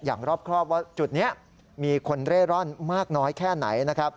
รอบครอบว่าจุดนี้มีคนเร่ร่อนมากน้อยแค่ไหนนะครับ